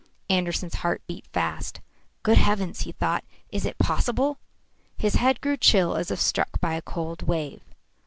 Andersen's heart beat fast. "Good heavens!" he thought. "Is it possible?" His head grew chill as if struck by a cold wave.